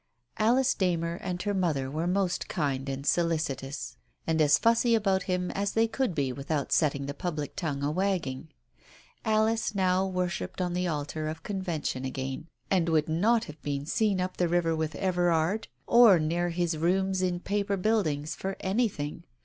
Alice Darner and her mother were most kind and solicitous, and as fussy about him as they could be without setting the public tongue a wagging. Alice now worshipped on the altar of convention again, and would not have been seen up the river with Everard or near his rooms in Paper Buildings for anything.